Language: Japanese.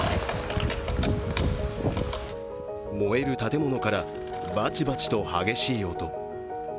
燃える建物からバチバチと激しい音。